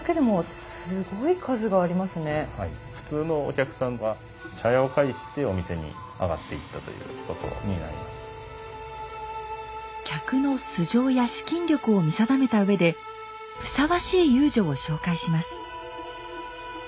客の素性や資金力を見定めた上でふさわしい遊女を紹介します。